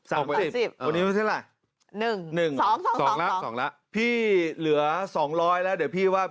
โรตโอังหวาน๒แล้ว๒และพี่เหลือ๒๐๐แล้ว